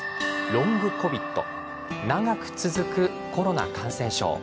ＬｏｎｇＣＯＶＩＤ長く続くコロナ感染症。